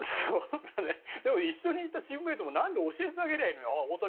でも、一緒にいたチームメートもなんで教えてあげればいいのに。